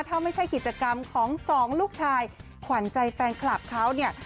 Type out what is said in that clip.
ถ้าไม่ใช่กิจกรรมของสองลูกชายขวัญใจแฟนคลับเขาเนี่ย